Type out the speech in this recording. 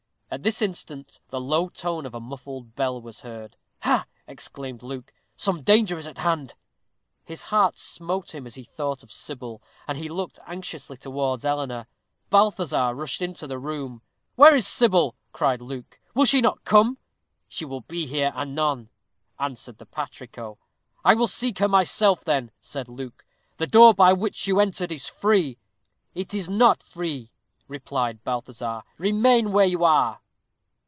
At this instant the low tone of a muffled bell was heard. "Ha!" exclaimed Luke; "some danger is at hand." His heart smote him as he thought of Sybil, and he looked anxiously towards Eleanor. Balthazar rushed into the room. "Where is Sybil?" cried Luke. "Will she not come?" "She will be here anon," answered the patrico. "I will seek her myself, then," said Luke. "The door by which you entered is free." "It is not free," replied Balthazar. "Remain where you are."